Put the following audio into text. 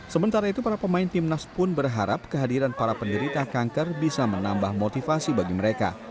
sementara itu para pemain timnas pun berharap kehadiran para penderita kanker bisa menambah motivasi bagi mereka